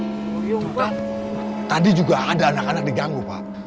oh iya pak tadi juga ada anak anak diganggu pak